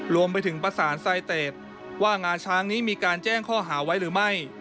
รวมไปถึงประสานไซเตสว่างาช้างนี้มีการแจ้งข้อหาไว้หรือไม่